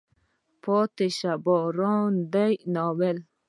پاتې شه باران دی. ناول